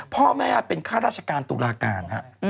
พ่อแม่เป็นข้าราชการตุลาการ